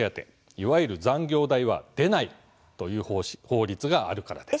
いわゆる残業代は出ないという法律があるからです。